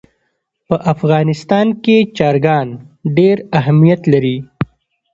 په افغانستان کې چرګان ډېر اهمیت لري.